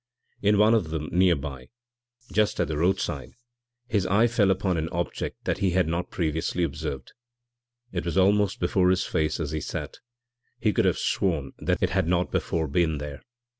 In one of them near by, just at the roadside, his eye fell upon an object that he had not previously observed. It was almost before his face as he sat; he could have sworn that it had not before been there.